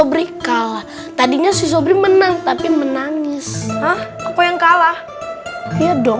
gila ini udah malem